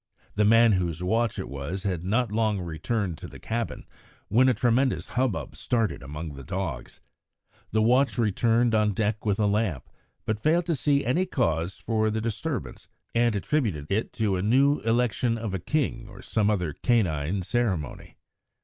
The man whose watch it was had not long returned to the cabin when a tremendous hubbub started among the dogs. The watch returned on deck with a lamp, but failed to see any cause for the disturbance, and attributed it to a new election of a king or some other canine ceremony.